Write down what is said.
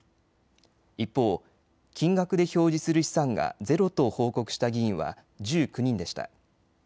一方、金額で表示する資産がゼロと報告した議員は１９人でした。